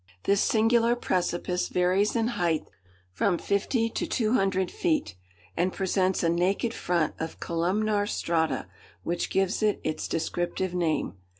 This singular precipice varies in height from fifty to two hundred feet, and presents a naked front of columnar strata, which gives it its descriptive name.